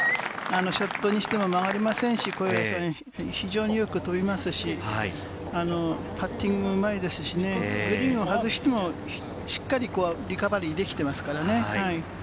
ショットにしても曲がりませんし、小祝さんは非常によく飛びますし、パッティングもうまいですし、グリーンを外しても、しっかりとリカバリーできてますからね。